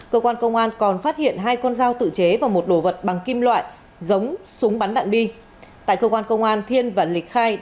cơ quan công an còn phát hiện hai con dao tự chế và một đồ vật bằng kim loại giống súng bắn bặn bi